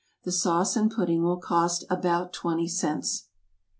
The sauce and pudding will cost about twenty cents.